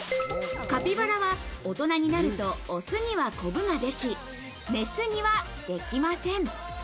カピバラは大人になると、オスにはコブができ、メスにはできません。